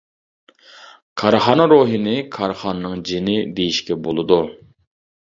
كارخانا روھىنى كارخانىنىڭ جىنى دېيىشكە بولىدۇ.